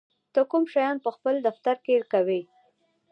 ته کوم شیان په خپل دفتر کې کوې؟